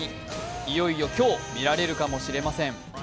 いよいよ今日、見られるかもしれません。